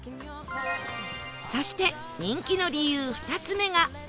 そして人気の理由２つ目が揚げたて